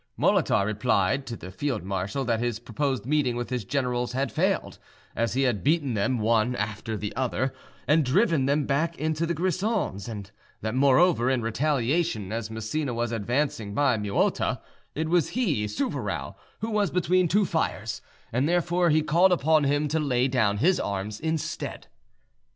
Molitor replied, to the field marshal that his proposed meeting with his generals had failed, as he had beaten them one after the other, and driven them back into the Grisons, and that moreover, in retaliation, as Massena was advancing by Muotta, it was he, Souvarow, who was between two fires, and therefore he called upon him to lay down his arms instead.